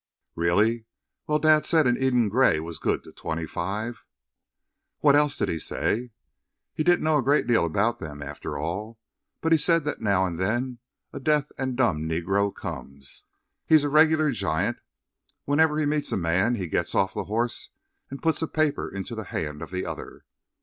"Really? Well, Dad said an Eden Gray was good to twenty five." "What else did he say?" "He didn't know a great deal about them, after all, but he said that now and then a deaf and dumb Negro comes. He's a regular giant. Whenever he meets a man he gets off the horse and puts a paper into the hand of the other.